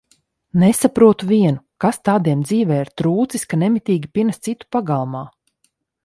Nesaprotu vienu, kas tādiem dzīvē ir trūcis, ka nemitīgi pinas citu pagalmā?